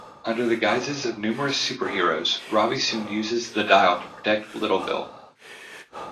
Under the guises of numerous superheroes, Robby soon uses the dial to protect Littleville.